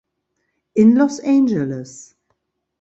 In Los Angeles.